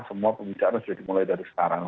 semua pembicaraan sudah dimulai dari sekarang